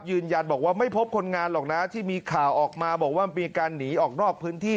ยืนยันบอกว่าไม่พบคนงานหรอกนะที่มีข่าวออกมาบอกว่ามีการหนีออกนอกพื้นที่